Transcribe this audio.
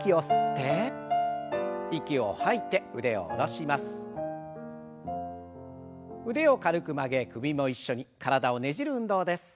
腕を軽く曲げ首も一緒に体をねじる運動です。